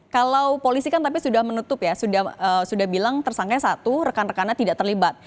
kalau polisi kan tapi sudah menutup ya sudah bilang tersangkanya satu rekan rekannya tidak terlibat